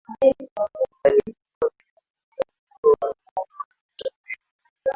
alikuwa na jukumu la kutoa ujumbe wa kusafiri